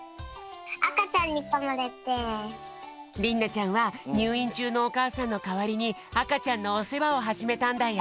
ちゃんはにゅういんちゅうのおかあさんのかわりにあかちゃんのおせわをはじめたんだよ。